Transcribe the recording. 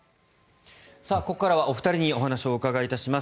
ここからはお二人にお話をお伺いします。